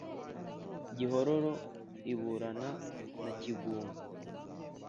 gihororo iburana na kigunga,